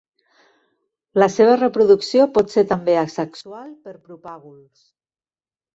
La seva reproducció pot ser també asexual per propàguls.